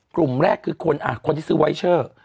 กลุ่มแรกคือคนคนที่ซื้อไวเชอร์